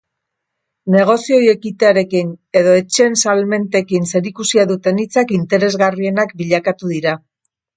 Negozioei ekitearekin edo etxeen salmentekin zerikusia duten hitzak interesgarrienak bilakatu dira.